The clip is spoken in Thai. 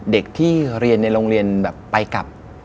เด็กที่เรียนในโรงเรียนแบบไปกลับ